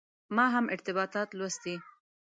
ما هم ارتباطات لوستي.